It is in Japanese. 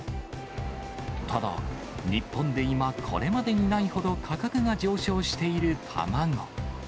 ただ、日本で今、これまでにないほど価格が上昇している卵。